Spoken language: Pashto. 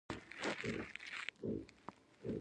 ب ډله دې د امویانو مرکزونو ته تګ لوری وټاکي.